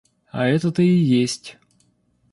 А это-то и есть.